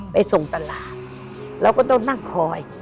ไปส่งตลาดเราก็ต้องนั่งคอย